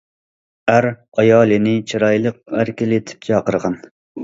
ئەر ئايالىنى چىرايلىق ئەركىلىتىپ چاقىرغان.